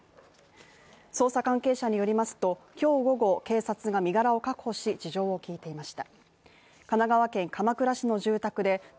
捜査関係者によりますと今日午後、警察が身柄を確保し、事情を聞いていました。